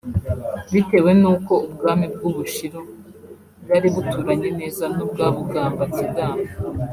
Bitewe n’uko Ubwami bw’u Bushiru bwari buturanye neza n’ubwa Bugamba-Kigamba